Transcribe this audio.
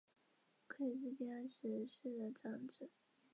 这个引擎是由宝马位于英国华威郡的工厂生产。